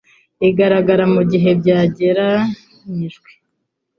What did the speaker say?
igaragara mu bihe byagereranyijwe